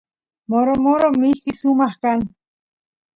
moro moro mishki sumaq kan